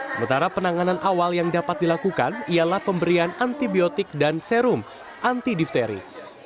sementara penanganan awal yang dapat dilakukan ialah pemberian antibiotik dan serum anti difteri